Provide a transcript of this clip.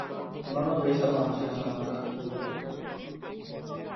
অন্যান্য পেশার মানুষের সংখ্যা খুবই কম।